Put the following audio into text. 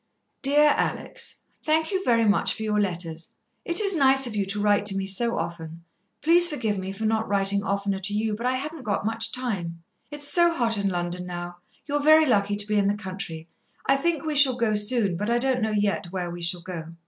"DEAR ALEX, "Thank you very much for your letters. It is nice of you to write to me so often. Please forgive me for not writing oftener to you, but I haven't got much time. It's so hot in London now. You are very lucky to be in the country. I think we shall go soon, but I don't know yet where we shall go.